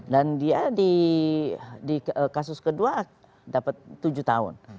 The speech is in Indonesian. dan dia di kasus kedua dapat tujuh tahun